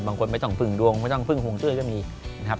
บางคนไม่ต้องพึ่งดวงไม่ต้องพึ่งห่วงจุ้ยก็มีนะครับ